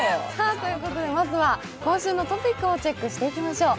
まずは、今週のトピックをチェックしていきましょう。